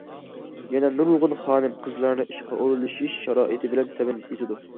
يەنە نۇرغۇن خانىم- قىزلارنى ئىشقا ئورۇنلىشىش شارائىتى بىلەن تەمىن ئېتىدۇ.